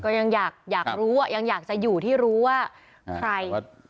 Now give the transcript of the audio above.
ก็ยังอยากอยากรู้ยังอยากจะอยู่ที่รู้ว่าใคร